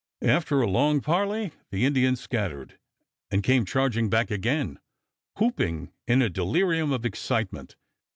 After a long parley the Indians scattered, and came charging back again, whooping in a delirium of excitement.